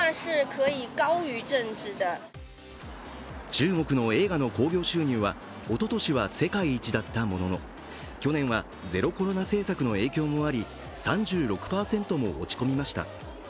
中国の営業の興行収入はおととしは世界一だったものの去年はゼロコロナ政策の影響もあり３６％も落ち込みました。